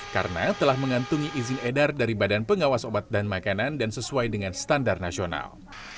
karena telah mengantungi izin edar dari badan pengawas obat dan makanan dan sesuai dengan standar nasional